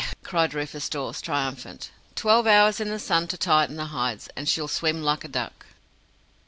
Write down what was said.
cried Rufus Dawes, triumphant. "Twelve hours in the sun to tighten the hides, and she'll swim like a duck."